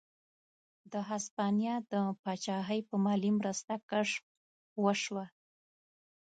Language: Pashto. د هسپانیا د پاچاهۍ په مالي مرسته کشف وشوه.